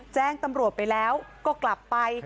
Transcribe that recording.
แจ้งตำรวจไปแล้วก็กลับไป